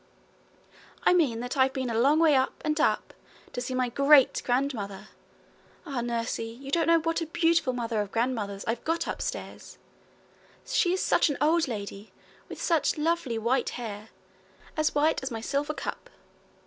'I mean that I've been a long way up and up to see My GREAT grandmother. Ah, nursie, you don't know what a beautiful mother of grandmothers I've got upstairs. She is such an old lady, with such lovely white hair as white as my silver cup.